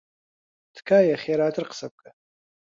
تکایە خێراتر قسە بکە.